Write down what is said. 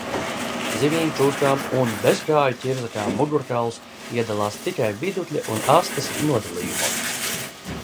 Zivīm, čūskām un bezkāju ķirzakām mugurkauls iedalās tikai vidukļa un astes nodalījumos.